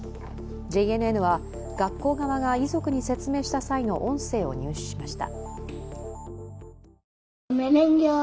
ＪＮＮは学校側が遺族に説明した際の音声を入手しました。